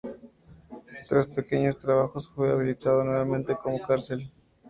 Tras pequeños trabajos, fue habilitado nuevamente como cárcel.